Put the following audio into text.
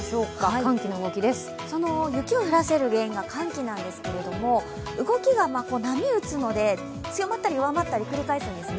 その雪を降らせる原因が寒気なんですけれども、動きが波打つので、強まったり弱まったり、繰り返すんですね。